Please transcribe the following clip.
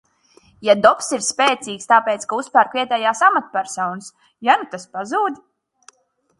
Ja Dobss ir spēcīgs tāpēc, ka uzpērk vietējās amatpersonas, ja nu tas pazūd?